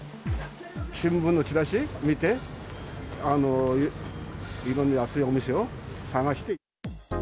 新聞のチラシ、見て、いろんな安いお店を探して。